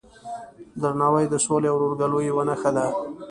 درناوی د سولې او ورورګلوۍ یوه نښه ده.